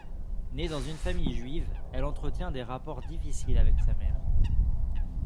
Née dans une famille juive, elle entretient des rapports difficiles avec sa mère.